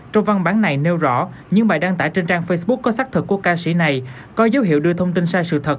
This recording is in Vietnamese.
trong văn bản này nêu rõ những bài đăng tải trên trang facebook có xác thực của ca sĩ này có dấu hiệu đưa thông tin sai sự thật